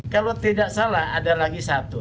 kalau tidak salah ada lagi satu